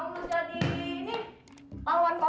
pokoknya lo dengerin ya